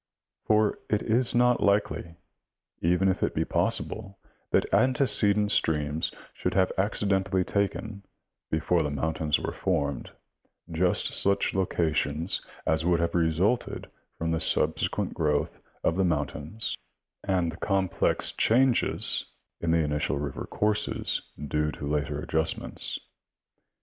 For it is not likely, even if it be possible, that antecedent streams should have accident ally taken, before the mountains were formed, just such locations as would have resulted from the subsequent growth of the moun tains and from the complex changes in the initial river courses due to later adjustments.